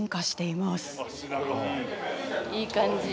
いい感じ。